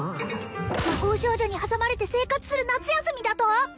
魔法少女に挟まれて生活する夏休みだと？